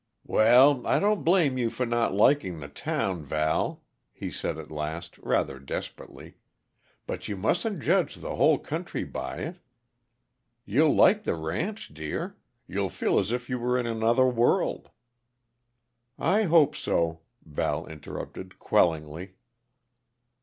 "Well, I don't blame you for not liking the town, Val," he said at last, rather desperately. "But you mustn't judge the whole country by it. You'll like the ranch, dear. You'll feel as if you were in another world " "I hope so," Val interrupted quellingly.